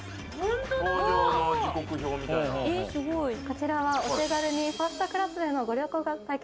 こちらはお手軽にファーストクラスでのご旅行が体験